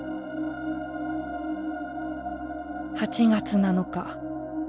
「８月７日。